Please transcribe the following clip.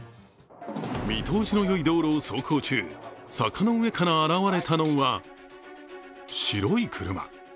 見通しのよい道路を走行中、坂の上から現れたのは白い車。